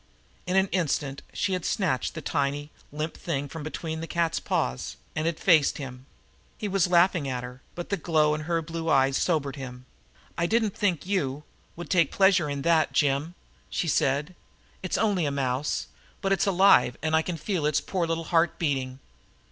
In an instant she had snatched the tiny, limp thing from between the cat's paws, and had faced him. He was laughing at her, but the glow in her blue eyes sobered him. "I didn't think you would take pleasure in that, Jim," she said. "It's only a mouse, but it's alive, and I can feel its poor little heart beating!"